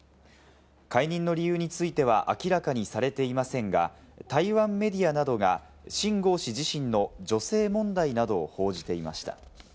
解任の理由については明らかにされていませんが、台湾メディアなどがシン・ゴウ氏自身の女性問題などを報じていました。